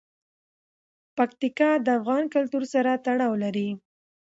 پکتیکا د افغان کلتور سره تړاو لري.